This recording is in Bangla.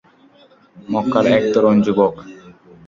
মক্কার এক তরুণ যুবক।